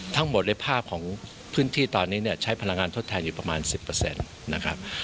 ทั้งหมดในภาพของพื้นที่ตอนนี้เนี่ยใช้พลังงานทดแทนอยู่ประมาณ๑๐นะครับ